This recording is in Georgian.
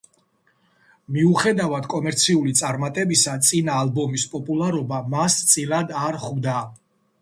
მიუხედავად კომერციული წარმატებისა, წინა ალბომის პოპულარობა მას წილად არ ხვდა.